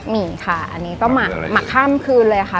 มีค่ะอันนี้ก็หมักข้ามคืนเลยค่ะ